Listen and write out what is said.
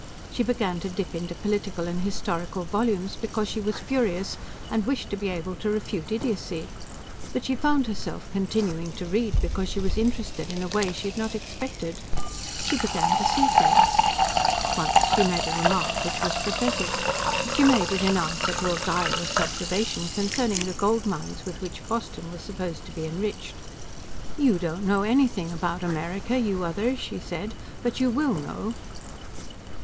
She began to dip into political and historical volumes because she was furious, and wished to be able to refute idiocy, but she found herself continuing to read because she was interested in a way she had not expected. She began to see things. Once she made a remark which was prophetic. She made it in answer to a guileless observation concerning the gold mines with which Boston was supposed to be enriched. "You don't know anything about America, you others," she said. "But you WILL know!"